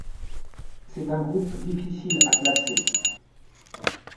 C'est un groupe difficile à classer.